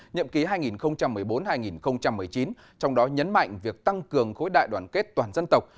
nhậm ký hai nghìn một mươi bốn hai nghìn một mươi chín trong đó nhấn mạnh việc tăng cường khối đại đoàn kết toàn dân tộc